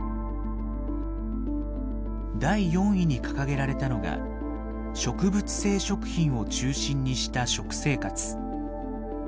第４位に掲げられたのが「植物性食品を中心にした食生活」。